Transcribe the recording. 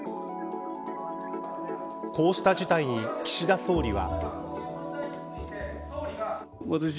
こうした事態に岸田総理は。